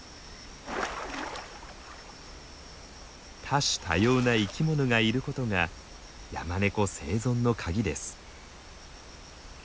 多種多様な生き物がいることがヤマネコ生存の鍵です。